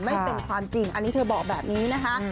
ไม่เป็นความจริงอันนี้เธอบอกแบบนี้นะคะ